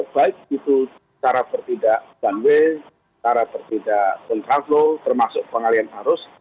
baik itu cara bertindak banwe cara bertindak kontraslo termasuk pengalian arus